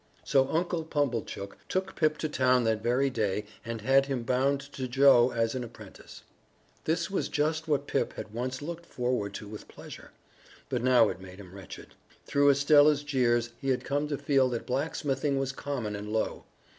So Uncle Pumblechook took Pip to town that very day and had him bound to Joe as an apprentice. This was just what Pip had once looked forward to with pleasure. But now it made him wretched. Through Estella's jeers he had come to feel that blacksmithing was common and low.